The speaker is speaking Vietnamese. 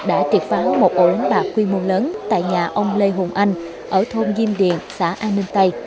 đã triệt phá một ổ đánh bạc quy mô lớn tại nhà ông lê hùng anh ở thôn diêm điện xã an ninh tây